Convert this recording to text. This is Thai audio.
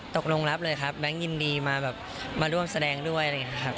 ตกลงรับเลยครับแบงก์ยินดีมาร่วมแสดงด้วยเลยครับ